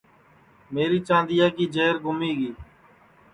میری چاندیا کی جیر گُمی گی